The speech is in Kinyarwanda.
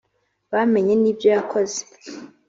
bamenye n’ibyo yakoze